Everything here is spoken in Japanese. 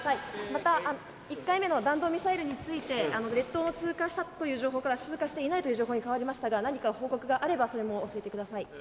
１回目の弾道ミサイルについて列島を通過したという情報から通過していないという情報に変わりましたが何か報告があれば教えてください。